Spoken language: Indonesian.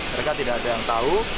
mereka tidak ada yang tahu